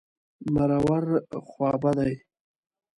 مرور... خوابدی.